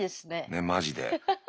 ねっマジで。